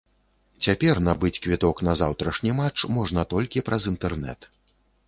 Цяпер набыць квіток на заўтрашні матч можна толькі праз інтэрнэт.